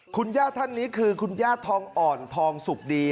คุณย่าท่านนี้คือคุณย่าทองอ่อนทองสุกดี